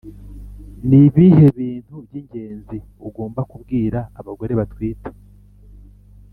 Ni ibihe bintu by’ ingenzi ugomba kubwira abagore batwite